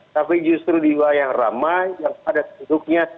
tapi justru di luar yang ramai yang padat sebetulnya